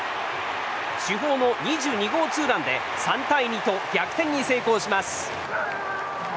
主砲の２２号ツーランで３対２と逆転に成功します。